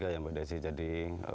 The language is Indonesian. yang berdiri jadi